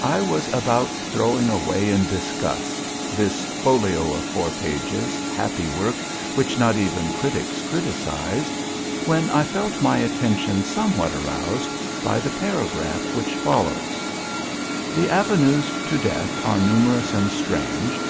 I was about throwing away in disgust This folio of four pages, happy work Which not even critics criticise, when I felt my attention somewhat aroused by the paragraph which follows: "The avenues to death are numerous and strange.